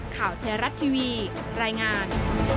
ข่าวเทราะห์ทีวีรายงาน